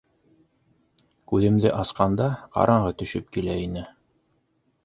Күҙемде асҡанда ҡараңғы төшөп килә ине.